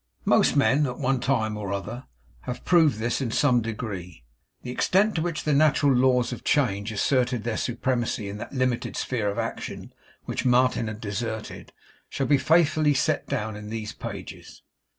Most men, at one time or other, have proved this in some degree. The extent to which the natural laws of change asserted their supremacy in that limited sphere of action which Martin had deserted, shall be faithfully set down in these pages.